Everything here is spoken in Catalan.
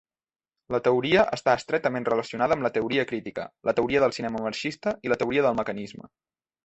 La teoria està estretament relacionada amb la teoria crítica, la teoria del cinema marxista i la teoria del mecanisme.